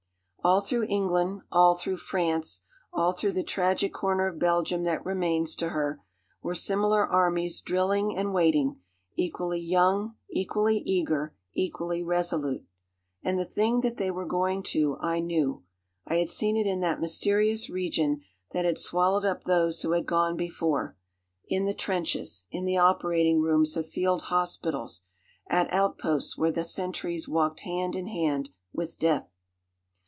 All through England, all through France, all through the tragic corner of Belgium that remains to her, were similar armies drilling and waiting, equally young, equally eager, equally resolute. And the thing that they were going to I knew. I had seen it in that mysterious region that had swallowed up those who had gone before; in the trenches, in the operating rooms of field hospitals, at outposts where the sentries walked hand in hand with death.